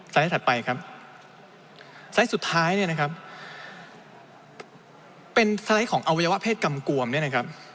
ไลด์ถัดไปครับไซส์สุดท้ายเนี่ยนะครับเป็นสไลด์ของอวัยวะเพศกำกวมเนี่ยนะครับ